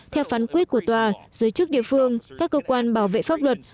theo phán quyết của tòa giới chức địa phương các cơ quan bảo vệ pháp luật